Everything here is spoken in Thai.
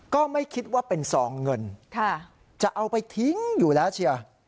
ก็ไม่คิดว่าเป็นซองเงินจะเอาไปทิ้งอยู่แล้วเชียร์